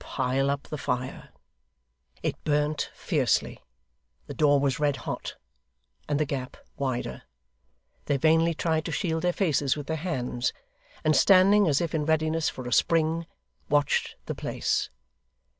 Pile up the fire! It burnt fiercely. The door was red hot, and the gap wider. They vainly tried to shield their faces with their hands, and standing as if in readiness for a spring, watched the place.